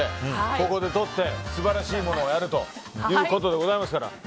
ここでとって素晴らしいものをやるということですから。